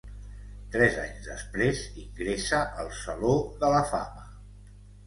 Tres anys després, ingressa al Saló de la Fama.